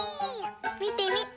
みてみて。